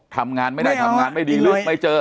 ทำงานไม่ได้ทำงานไม่ดีหรือไม่เจอ